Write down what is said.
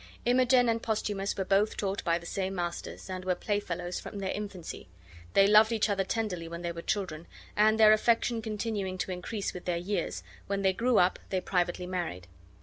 Imogen and Posthumus were both taught by the same masters, and were playfellows from their infancy; they loved each other tenderly when they were children, and, their affection continuing to increase with their years, when they grew up they privately married.